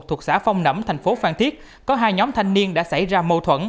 thuộc xã phong nẩm thành phố phan thiết có hai nhóm thanh niên đã xảy ra mâu thuẫn